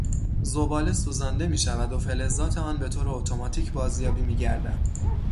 زباله سوزانده میشود و فلزات آن به طور اتوماتیک بازیابی میگردد.